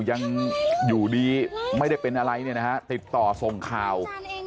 ยังอยู่ดีไม่ได้เป็นอะไรเนี่ยนะฮะติดต่อส่งข่าว